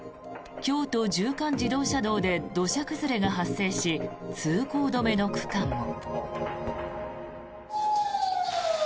京都縦貫自動車道で土砂崩れが発生し通行止めの区間も。